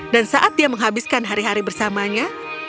dan saat dia menghabiskan hari hari bersamanya